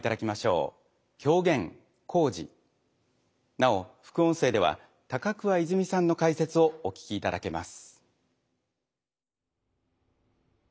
なお副音声では高桑いづみさんの解説をお聞きいただけます。